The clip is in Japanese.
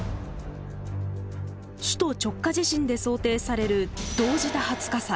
首都直下地震で想定される同時多発火災。